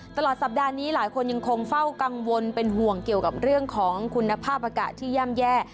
ตลอดสัปดาห์นี้หลายคนยังคงเฝ้ากังวลเป็นห่วงเกี่ยวกับเรื่องของคุณภาพอากาศที่ย่ำแย่